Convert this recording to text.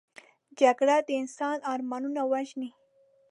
جګړه د انسان ارمانونه وژني